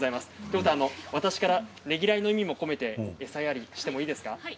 私からねぎらいの意味も込めて餌やりをしてもいいですか？